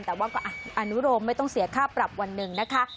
แต่ว่าก็อนุโรมไม่ต้องเสียค่าปรับวันหนึ่งนะคะ